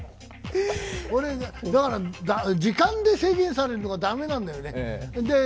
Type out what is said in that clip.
俺、時間で制限されるのが駄目なんだよね。